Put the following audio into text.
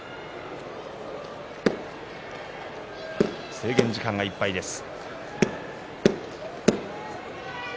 制限時間がいっぱいです。